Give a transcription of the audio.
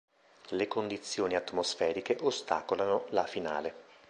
Le condizioni atmosferiche ostacolano la finale.